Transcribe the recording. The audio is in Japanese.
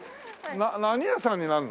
何屋さんになるの？